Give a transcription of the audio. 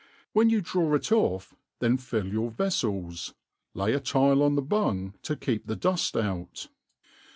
When you draw it off", then fill your veflels, lay a tile on the bung to keep the duft out.